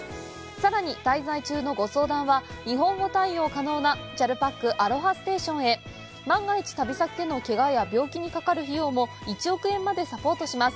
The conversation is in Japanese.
さらに滞在中のご相談は日本語対応可能なＪＡＬＰＡＫアロハステーションへ万が一旅先でのけがや病気にかかる費用も１億円までサポートします